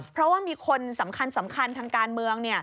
เพราะว่ามีคนสำคัญทางการเมือง